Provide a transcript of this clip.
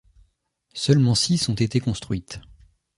Seulement six ont été construites.